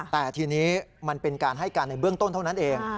แต่ทีนี้มันเป็นการให้การในเบื้องต้นเท่านั้นเอง